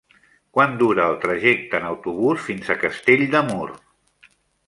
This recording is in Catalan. Quant dura el trajecte en autobús fins a Castell de Mur?